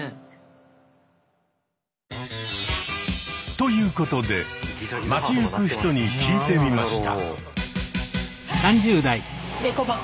ということで街行く人に聞いてみました。